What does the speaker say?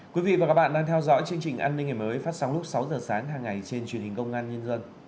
quý vị và các bạn đang theo dõi chương trình an ninh ngày mới phát sóng lúc sáu giờ sáng hàng ngày trên truyền hình công an nhân dân